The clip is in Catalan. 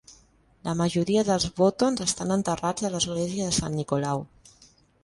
La majoria dels Wottons estan enterrats a l'església de Sant Nicolau.